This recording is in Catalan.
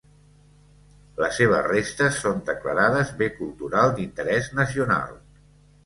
Les seves restes són declarades bé cultural d'interès nacional.